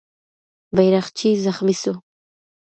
بیرغچی زخمي سو.